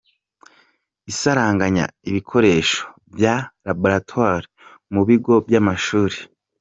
Isaranganya ibikoresho bya laboratwari mu bigo by’amashuri.